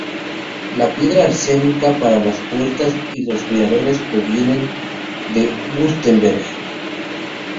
La piedra arenisca para las puertas y los miradores provienen de Wurtemberg.